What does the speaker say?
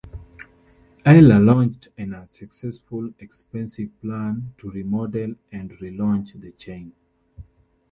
Eyler launched an unsuccessful, expensive plan to remodel and re-launch the chain.